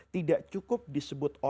tidak cukup disebut orang sosial